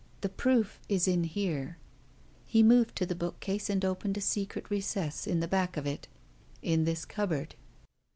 "The proof is in here." He moved to the bookcase and opened a secret recess in the back of it, "In this cupboard."